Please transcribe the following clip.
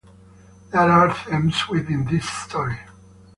There are themes within this story.